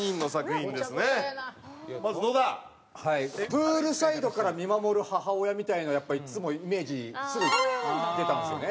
プールサイドから見守る母親みたいないつもイメージすぐ出たんですよね。